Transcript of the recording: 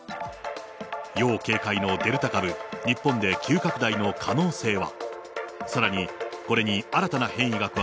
要警戒のデルタ株、日本で急拡大の可能性は。